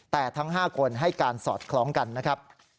แต่ทั้ง๕คนให้การสอดคล้องกันนะครับ